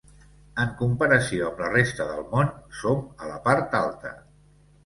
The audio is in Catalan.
En comparació amb la resta del món, som a la part alta.